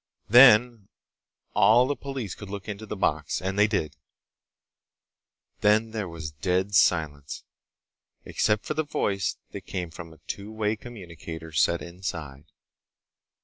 Then all the police could look into the box. And they did. Then there was dead silence, except for the voice that came from a two way communicator set inside.